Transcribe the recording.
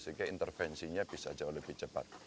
sehingga intervensinya bisa jauh lebih cepat